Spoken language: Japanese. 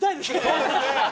そうですね。